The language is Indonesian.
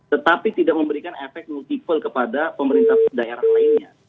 tetapi tidak memberikan efek multiple kepada pemerintah daerah lainnya